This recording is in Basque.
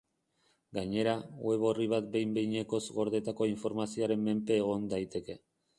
Gainera, web orri bat behin-behinekoz gordetako informazioaren menpe egon daiteke.